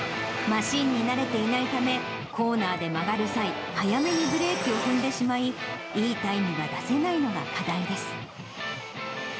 マシンに慣れていないため、コーナーで曲がる際、早めにブレーキを踏んでしまい、いいタイムが出せないのが課題です。